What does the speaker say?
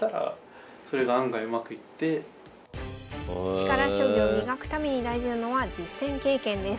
力将棋を磨くために大事なのは実戦経験です。